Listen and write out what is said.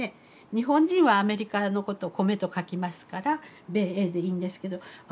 日本人はアメリカのことを「米」と書きますから「米英」でいいんですけどあ